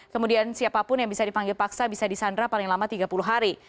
kemudian siapapun yang bisa dipanggil paksa bisa disandra paling lama tiga puluh hari